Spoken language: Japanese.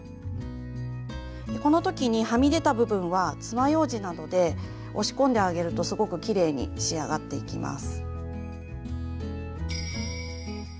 この時にはみ出た部分はつまようじなどで押し込んであげるとすごくきれいに仕上がっていきます。